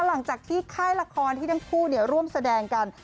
หลังจากที่ค่ายละครที่ทั้งคู่ร่วมแสดงกัน